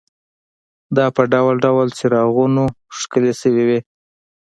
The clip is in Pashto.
دا په ډول ډول څراغونو ښکلې شوې وې.